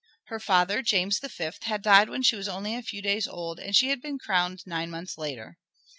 Her father, James V, had died when she was only a few days old, and she had been crowned nine months later.